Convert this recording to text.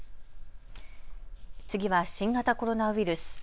次は新型コロナウイルス。